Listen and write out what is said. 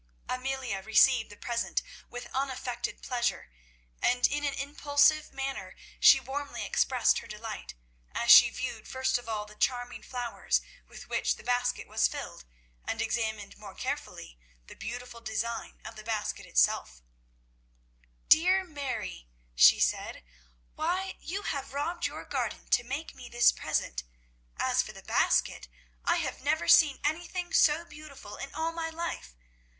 Amelia received the present with unaffected pleasure, and in an impulsive manner she warmly expressed her delight, as she viewed first of all the charming flowers with which the basket was filled, and examined more carefully the beautiful design of the basket itself. [Illustration: "Mary shyly offered her present." See page 15.] "Dear Mary," she said, "why, you have robbed your garden to make me this present. As for the basket, I have never seen anything so beautiful in all my life.